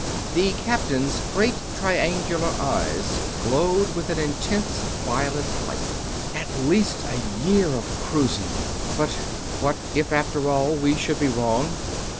The captain's great triangular eyes glowed with an intense violet light. "At least a year of cruising. But ... what if, after all, we should be wrong?"